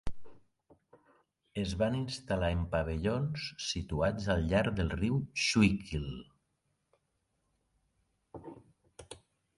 Es van instal·lar en pavellons situats al llarg del riu Schuylkill.